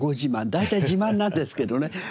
大体自慢なんですけどね。